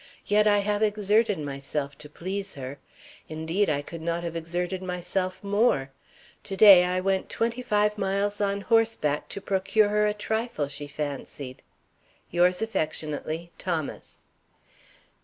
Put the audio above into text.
Yet I have exerted myself to please her. Indeed, I could not have exerted myself more. To day I went twenty five miles on horseback to procure her a trifle she fancied. Yours aff., THOMAS.